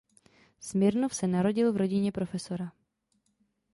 Smirnov se narodil v rodině profesora.